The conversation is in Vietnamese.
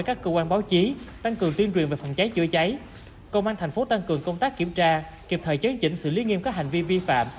công an tp hcm kiểm tra kiệp thời chứng chỉnh sự lý nghiêm các hành vi vi phạm